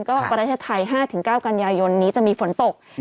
ก็ประเทศไทย๕๙กันยายนนี้จะมีฝนตก